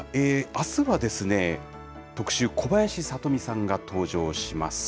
あすは、特集、小林聡美さんが登場します。